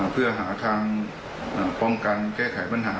เพื่อหาทางป้องกันแก้ไขปัญหา